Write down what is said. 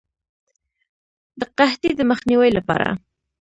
د قحطۍ د مخنیوي لپاره.